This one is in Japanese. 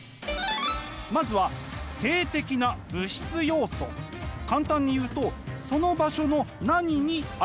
まずは簡単に言うとその場所の何に愛着を感じているか。